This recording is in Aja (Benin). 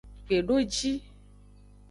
Kpedoji.